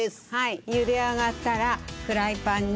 ゆで上がったらフライパンに。